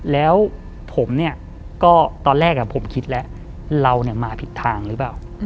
แล้วตอนแรกผมคิดแล้วเรามาผิดทางหรือเปล่า